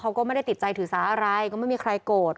เขาก็ไม่ได้ติดใจถือสาอะไรก็ไม่มีใครโกรธ